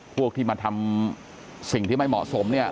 พวกที่มาทำสิ่งที่ไม่เหมาะสมเนี่ย